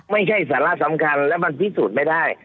ไม่ใช่สาระสำคัญและมันพิสูจน์ไม่ได้